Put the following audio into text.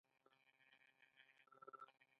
الوتکه د تجارت لپاره مهمه وسیله ده.